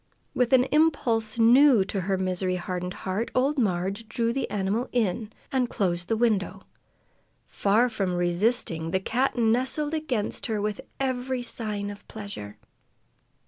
With an impulse new to her misery hardened heart, old Marg drew the animal in and closed the window. Far from resisting, the cat nestled against her with every sign of pleasure.